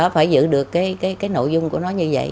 phải giữ được cái nội dung của nó như vậy